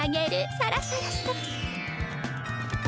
サラサラサラサラ。